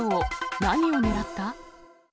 何を狙った？